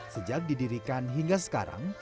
sejak didirikan hingga sekarang